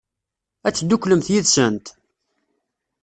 Ad tedduklemt yid-sent?